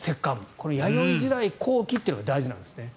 この弥生時代後期というのが大事なんですね。